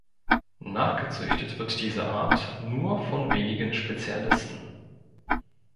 Nachgezüchtet wird diese Art nur von wenigen Spezialisten.